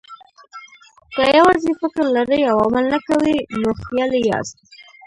که یوازې فکر لرئ او عمل نه کوئ، نو خیالي یاست.